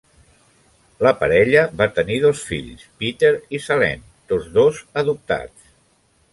La parella va tenir dos fills, Peter i Salene, tots dos adoptats.